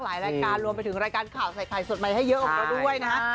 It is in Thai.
หลายรายการรวมไปถึงรายการข่าวใส่ไข่สดใหม่ให้เยอะของเราด้วยนะฮะ